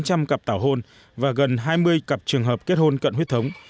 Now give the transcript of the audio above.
họ có khoảng tám trăm linh cặp tảo hôn và gần hai mươi cặp trường hợp kết hôn cận huyết thống